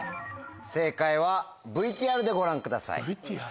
正解はＶＴＲでご覧ください。